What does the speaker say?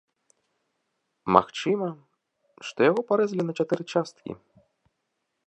Магчыма, што яго парэзалі на чатыры часткі.